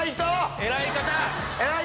偉い方！